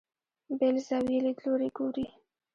بېل زاویې لیدلوري ګوري.